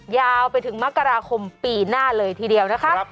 ยาวไปถึงมกราคมปีหน้าเลยทีเดียวนะคะ